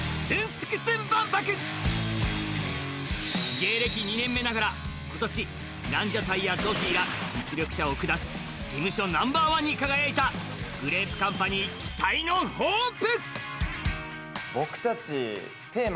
芸歴２年目ながら今年、ランジャタイやゾフィーが実力者を下し事務所ナンバーワンに輝いたグレープカンパニー期待のホープ。